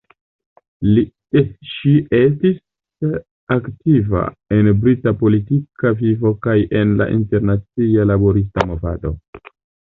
Ŝi estis aktiva en brita politika vivo kaj en la internacia laborista movado.